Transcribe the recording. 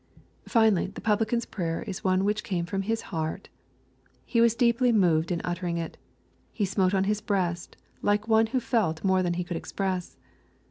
— ^Finally, the Publican's prayer was one which came from his heart He was deeply moved in uttering it. He smote upon his Ifreast, like one who felt more than he could express.